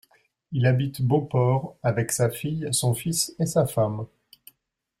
Il habite Beauport avec sa fille, son fils et sa femme.